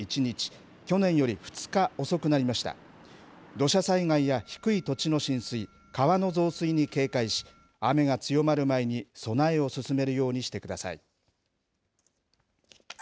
土砂災害や低い土地の浸水川の増水に警戒し雨が強まる前に備えを進めるようにしてください。